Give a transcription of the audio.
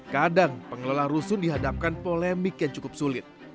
kadang pengelola rusun dihadapkan polemik yang cukup sulit